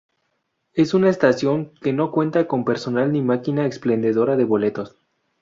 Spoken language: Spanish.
Es una estación que no cuenta con personal ni máquina expendedora de boletos.